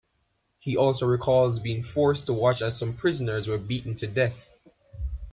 He also recalls being forced to watch as some prisoners were beaten to death.